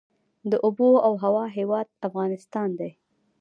د اوبو او هوا هیواد افغانستان.